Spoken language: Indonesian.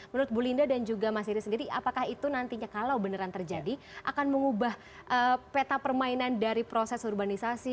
menurut bu linda dan juga mas iri sendiri apakah itu nantinya kalau beneran terjadi akan mengubah peta permainan dari proses urbanisasi